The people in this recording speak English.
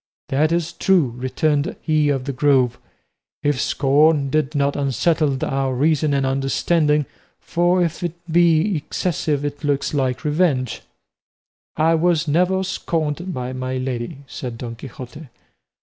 "That is true," returned he of the Grove, "if scorn did not unsettle our reason and understanding, for if it be excessive it looks like revenge." "I was never scorned by my lady," said Don Quixote.